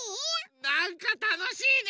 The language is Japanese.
なんかたのしいね！